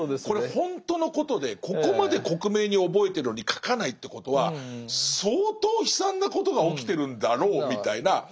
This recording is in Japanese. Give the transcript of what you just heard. これほんとのことでここまで克明に覚えてるのに書かないってことは相当悲惨なことが起きてるんだろうみたいな。